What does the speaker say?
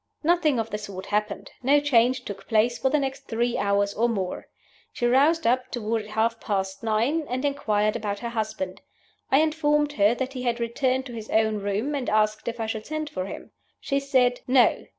"Nothing of the sort happened; no change took place for the next three hours or more. She roused up toward half past nine and inquired about her husband. I informed her that he had returned to his own room, and asked if I should send for him. She said 'No.